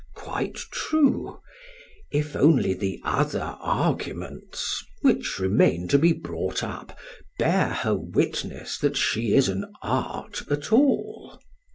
SOCRATES: Quite true; if only the other arguments which remain to be brought up bear her witness that she is an art at all.